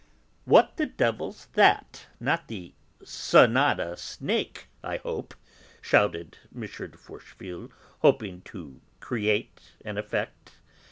"What the devil's that? Not the sonata snake, I hope!" shouted M. de Forcheville, hoping to create an effect.